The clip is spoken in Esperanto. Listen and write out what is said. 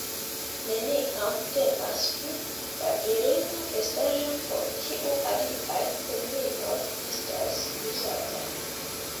Neniam temas pri la virina vestaĵo, por kiu aliaj terminoj estas uzataj.